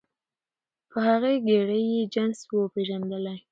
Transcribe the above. په هغه ګړي یې جنس وو پیژندلی